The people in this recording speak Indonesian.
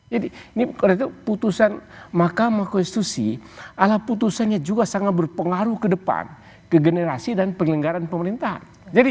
jadi ini putusan mahkamah konstitusi ala putusannya juga sangat berpengaruh ke depan ke generasi dan pengelenggaran pemerintahan